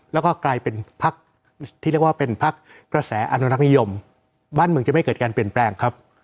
แล้วก็กลายเป็นพักที่เรียกว่าเป็นพักกระแสอนุรักษ์นิยมบ้านเมืองจะไม่เกิดการเปลี่ยนแปลงครับ